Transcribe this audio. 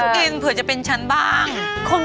กินเผื่อจะเป็นฉันบ้าง